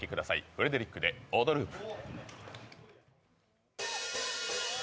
フレデリックで「オドループ」。